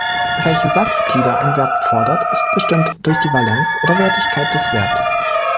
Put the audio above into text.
Welche Satzglieder ein Verb fordert, ist bestimmt durch die Valenz oder Wertigkeit des Verbs.